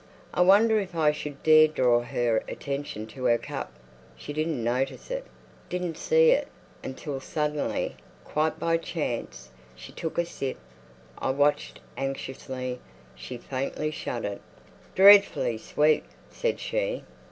I wondered if I should dare draw her attention to her cup. She didn't notice it—didn't see it—until suddenly, quite by chance, she took a sip. I watched anxiously; she faintly shuddered. "Dreadfully sweet!" said she.